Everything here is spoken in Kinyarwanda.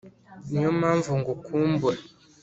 Niyo mpamvu ngukumbura